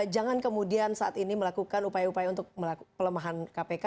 jangan kemudian saat ini melakukan upaya upaya untuk pelemahan kpk